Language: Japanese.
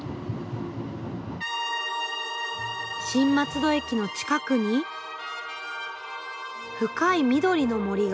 新松戸駅の近くに深い緑の森が。